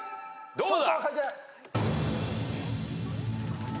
どうだ？